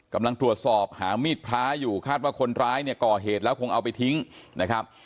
กำลังตรวจสอบหามีดพระอยู่คาดว่าคนร้ายเนี่ยก่อเหตุแล้วคงเอาไปทิ้งนะครับ